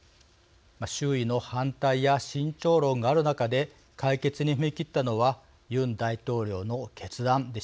周囲の反対や慎重論がある中で解決に踏み切ったのはユン大統領の決断でした。